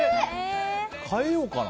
変えようかな。